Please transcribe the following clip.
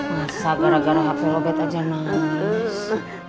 masa gara gara hape lobet aja nangis